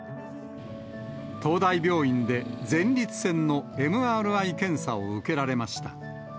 東大病院で前立腺のＭＲＩ検査を受けられました。